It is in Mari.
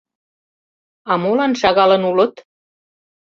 А молан шагалын улыт?